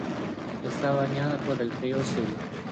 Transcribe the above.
Está bañada por el río Sil.